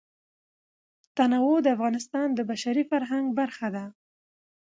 تنوع د افغانستان د بشري فرهنګ برخه ده.